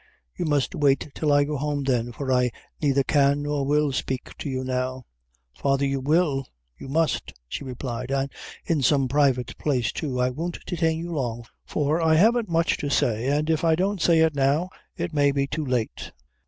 "You must wait till I go home, then, for I neither can nor will spake to you now." "Father, you will you must," she replied "and in some private place too. I won't detain you long, for I haven't much to say, and if I don't say it now, it may be too late."